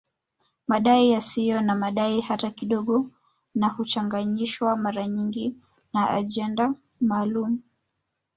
Madai yasiyo na madai hata kidogo na huchanganyishwa mara nyingi na ajenda maalum